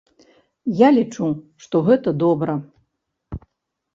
Я лічу, што гэта добра.